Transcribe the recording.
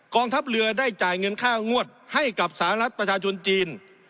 ทัพเรือได้จ่ายเงินค่างวดให้กับสหรัฐประชาชนจีน